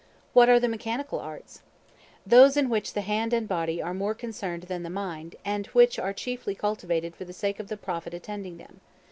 What are the Mechanical Arts? Those in which the hand and body are more concerned than the mind, and which are chiefly cultivated for the sake of the profit attending them.